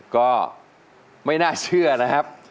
ก็ไม่น่าเชื่อนะครับ